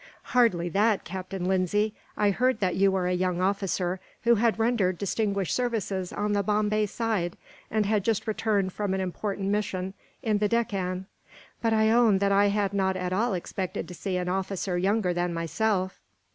"Hardly that, Captain Lindsay. I heard that you were a young officer, who had rendered distinguished services on the Bombay side, and had just returned from an important mission in the Deccan; but I own that I had not at all expected to see an officer younger than myself."